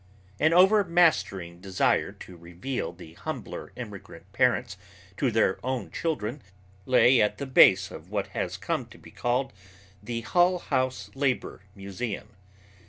An overmastering desire to reveal the humbler immigrant parents to their own children lay at the base of what has come to be called the Hull House Labor Museum.